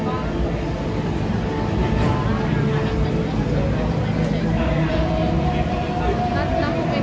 และพักขึ้นไป